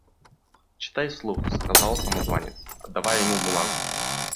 «Читай вслух», – сказал самозванец, отдавая ему бумагу.